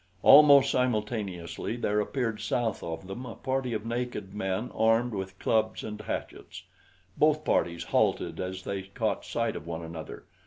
Almost simultaneously there appeared south of them a party of naked men armed with clubs and hatchets. Both parties halted as they caught sight of one another.